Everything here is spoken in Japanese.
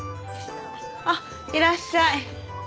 あっいらっしゃい。